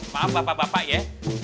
maaf bapak bapak ya